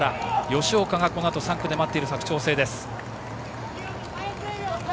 吉岡がこのあと３区で待っている佐久長聖です。